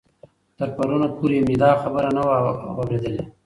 تر پرون پورې مې دا خبر نه و اورېدلی.